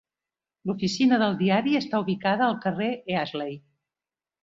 L'oficina del diari està ubicada al carrer Easley.